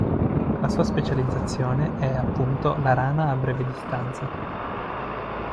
La sua specializzazione è, appunto, la rana a breve distanza.